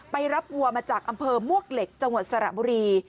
ไปรับวัวมาจากอำเภอมวกเหล็กจังหวัดสระบุรี